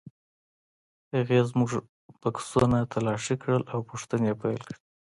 هغې زموږ بکسونه تالاشي کړل او پوښتنې یې پیل کړې.